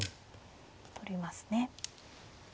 取りますね。